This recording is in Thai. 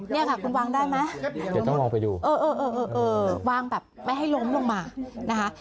เนี่ยค่ะคุณวางได้ไหมเดี๋ยวต้องลองไปดูเออวางแบบไม่ให้ล้มลงมานะคะ